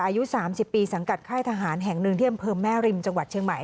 อายุสามสิบปีสังกัดไข้ทหารแห่งนึงเที่ยมเพิ่มแม่ริมจังหวัดเชียงใหม่